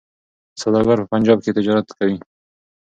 سوداګر په پنجاب کي تجارت کوي.